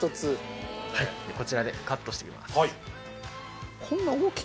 こちらでカットしていきます。